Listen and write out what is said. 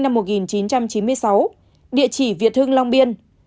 một mươi bốn tnn nữ sinh năm một nghìn chín trăm chín mươi sáu địa chỉ việt hưng long biên